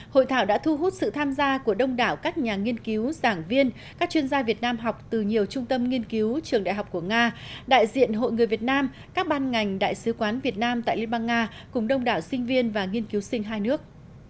hội thảo đã thu hút sự tham gia của đông đảo các nhà nghiên cứu giảng viên các chuyên gia việt nam học từ nhiều trung tâm nghiên cứu trường đại học của nga đại diện hội người việt nam các ban ngành đại sứ quán việt nam tại liên bang nga cùng đông đảo sinh viên và nghiên cứu sinh hai nước